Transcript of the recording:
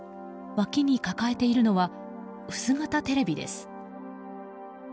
わきに抱えているのは薄型テレビです。